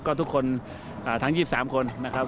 ก็ทุกคนทั้ง๒๓คนนะครับ